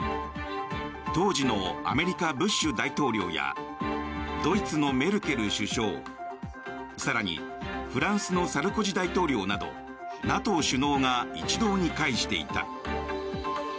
当時のアメリカブッシュ大統領やドイツのメルケル首相更にフランスのサルコジ大統領などＮＡＴＯ首脳が一堂に会していた。